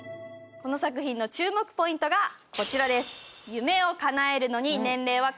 この作品の注目ポイントがこちらです。